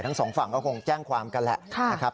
ทั้งสองฝั่งก็คงแจ้งความกันแหละนะครับ